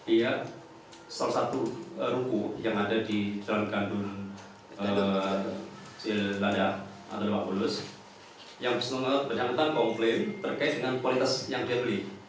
ia salah satu ruku yang ada di dalam gandun siladah atau apulus yang bisa menjelaskan komplain terkait dengan kualitas yang dibeli